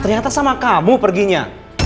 ternyata sama kamu perginya